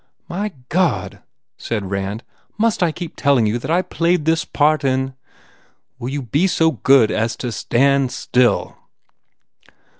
"My God," said Rand, "must I keep telling you that I played this part in " "Will you be so good as to stand still?"